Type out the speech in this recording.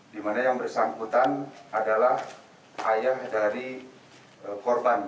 dimana yang bersangkutan adalah ayah dari korban